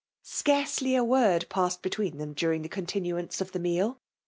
Scttroely a word passed between them during the eett* tinuance of the meal.